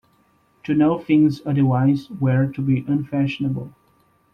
To know things otherwise were to be unfashionable.